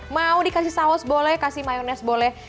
mau dikasih saus boleh kasih mayonese boleh